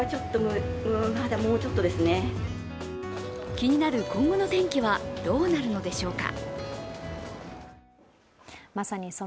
気になる今後の天気はどうなるのでしょうか。